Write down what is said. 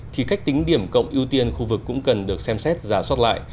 thì cách tính điểm cộng ưu tiên khu vực cũng cần được xem xét giả soát lại